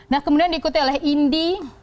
nah kemudian diikuti oleh indi